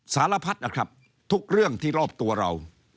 สารพัดนะครับทุกเรื่องที่รอบตัวเรา